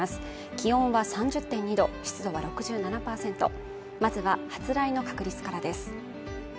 気温は３０．２度、湿度は６７％まずは発雷の確率からです。